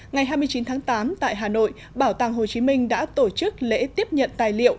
ngày hai mươi chín tháng tám tại hà nội bảo tàng hồ chí minh đã tổ chức lễ tiếp nhận tài liệu